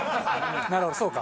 なるほどそうか。